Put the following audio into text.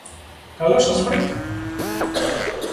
Καλώς σας βρήκα!